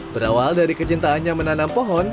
berawal dari kecintaannya menanam pohon